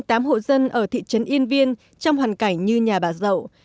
hiện vẫn còn hai mươi tám hộ dân ở thị trấn yên viên trong hoàn cảnh như nhà bà dậu